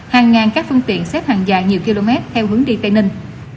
hàng ngàn các phương tiện xếp hàng dài nhiều km theo hướng đi tây ninh